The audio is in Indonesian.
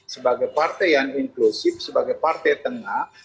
sebagai partai yang inklusif sebagai partai tengah